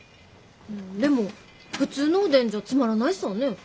でも普通のおでんじゃつまらないさぁねぇ？